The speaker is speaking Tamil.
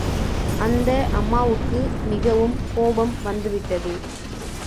அந்த அம்மாவுக்கு மிகவும் கோபம் வந்துவிட்டது.